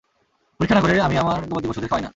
পরীক্ষা না করে আমি আমার গবাদি পশুদের খাওয়াই না।